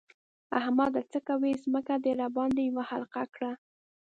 احمده! څه کوې؛ ځمکه دې راباندې يوه حقله کړه.